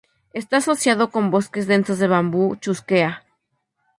Está asociado con bosques densos de bambú "Chusquea".